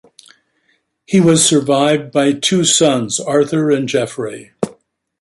He was survived by two sons, Arthur and Jeffrey.